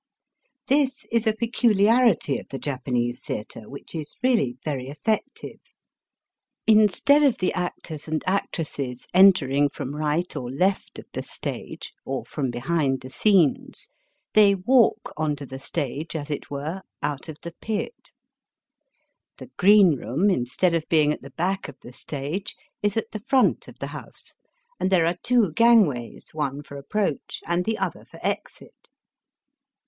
This is a peculi arity of the Japanese theatre which is reaUy very eflfective. Instead of the actors and actresses entering from right or left of the stage, or from behind the scenes, they walk on to the stage, as it were, out of the pit. The green room, instead of being at the back of the stage, is at the front of the house, and there are two gangways, one for approach and the other for exit.